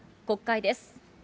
国会です。